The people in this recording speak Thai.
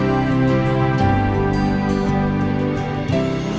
โอ้โหโอ้โหโอ้โห